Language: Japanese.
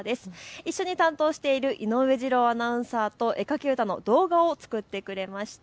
一緒に担当している井上二郎アナウンサーと絵描き歌の動画を作ってくれました。